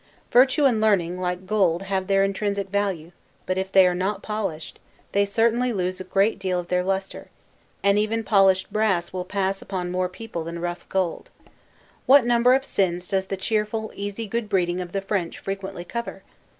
Virtue and learning, like gold, have their intrinsic value but if they are not polished, they certainly lose a great deal of their luster; and even polished brass will pass upon more people than rough gold. What a number of sins does the cheerful, easy good breeding of the French frequently cover?